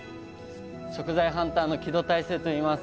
食材ハンターの木戸大聖といいます。